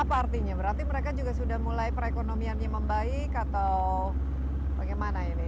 apa artinya berarti mereka juga sudah mulai perekonomiannya membaik atau bagaimana ini